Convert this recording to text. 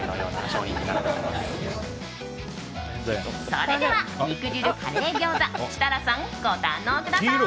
それでは肉汁カレー餃子設楽さん、ご堪能ください！